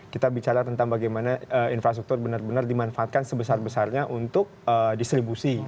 kita bicara tentang bagaimana infrastruktur benar benar dimanfaatkan sebesar besarnya untuk distribusi